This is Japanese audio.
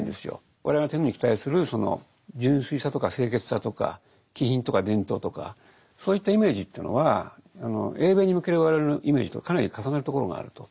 我々が天皇に期待するその純粋さとか清潔さとか気品とか伝統とかそういったイメージというのは英米に向ける我々のイメージとかなり重なるところがあると。